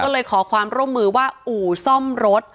ก็เลยขอความร่วมมือว่าอู่ซ่อมรถ